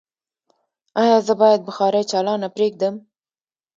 ایا زه باید بخاری چالانه پریږدم؟